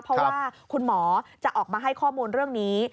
เพราะว่าคุณหมอจะออกมาให้ข้อมูลเรื่องนี้